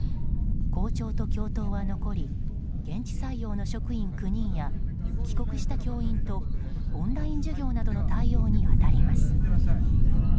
校長と教頭は残り現地採用の職員９人や帰国した教員とオンライン授業などの対応に当たります。